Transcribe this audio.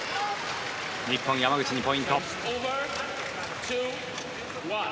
日本、山口にポイント。